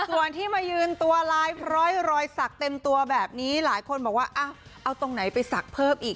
ส่วนที่มายืนตัวลายพร้อยรอยสักเต็มตัวแบบนี้หลายคนบอกว่าเอาตรงไหนไปศักดิ์เพิ่มอีก